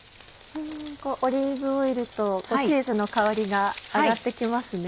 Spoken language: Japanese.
オリーブオイルとチーズの香りが上がって来ますね。